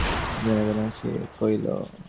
অন্ধকারেই বনের মধ্যে সে প্রবেশ করিল।